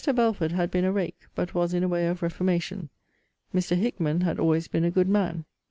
Belford had been a rake: but was in a way of reformation. Mr. Hickman had always been a good man.